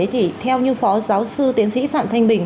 thì theo như phó giáo sư tiến sĩ phạm thanh bình